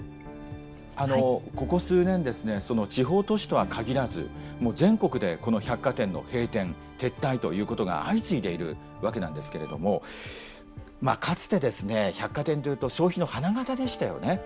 あのここ数年ですね地方都市とは限らず全国でこの百貨店の閉店撤退ということが相次いでいるわけなんですけれどもまあかつてですね百貨店というと消費の花形でしたよね。